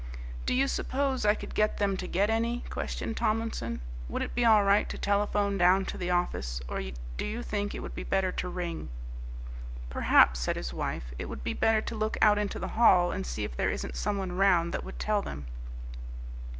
"Do you suppose I could get them to get any?" questioned Tomlinson. "Would it be all right to telephone down to the office, or do you think it would be better to ring?" "Perhaps," said his wife, "it would be better to look out into the hall and see if there isn't someone round that would tell them."